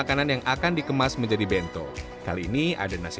fourteen yang yang sesuai dengan permainan gaming ke thing dan tadi kita sudah besok saja